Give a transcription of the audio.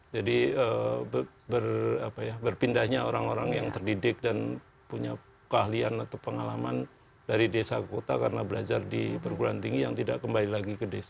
jadi berpindahnya orang orang yang terdidik dan punya keahlian atau pengalaman dari desa ke kota karena belajar di perguruan tinggi yang tidak kembali lagi ke desa